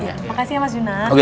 terima kasih ya mas juna